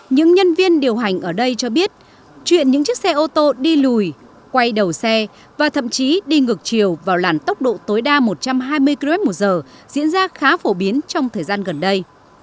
những nhân viên điều hành ở đây cho biết chuyện những chiếc xe ô tô đi lùi quay đầu xe và thậm chí đi ngược chiều vào làn tốc độ tối đa một trăm hai mươi km một giờ diễn ra khá phổ biến trong thời gian gần đây